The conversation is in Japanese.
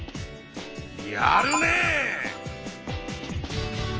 やるねえ！